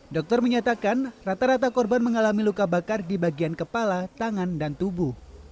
dokter menyatakan rata rata korban mengalami luka bakar di bagian kepala tangan dan tubuh